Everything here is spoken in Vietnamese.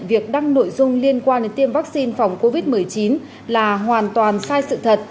việc đăng nội dung liên quan đến tiêm vaccine phòng covid một mươi chín là hoàn toàn sai sự thật